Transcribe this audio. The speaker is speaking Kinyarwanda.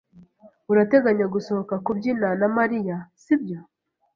Urateganya gusohoka kubyina na Mariya, sibyo?